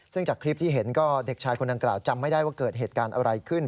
ซึ่งจากคลิปที่เห็นก็เด็กชายคนดังกล่าวจำไม่ได้ว่าเกิดเหตุการณ์อะไรขึ้น